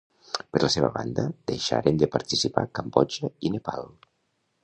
Per la seva banda deixaren de participar Cambodja i Nepal.